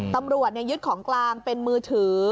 ตำรวจยึดของกลางเป็นมือถือ